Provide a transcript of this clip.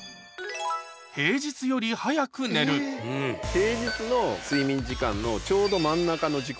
平日の睡眠時間のちょうど真ん中の時刻。